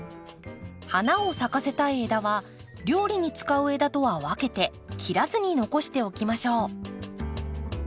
花を咲かせたい枝は料理に使う枝とは分けて切らずに残しておきましょう。